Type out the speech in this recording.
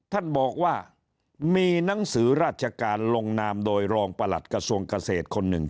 ท่านบอกว่ามีหนังสือราชการลงนามโดยรองประหลัดกระทรวงเกษตรคนหนึ่ง